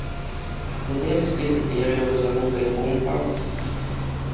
The devastated area was a mobile home park.